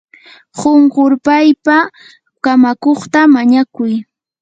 qunqurpaypa kamakuqta mañakuy.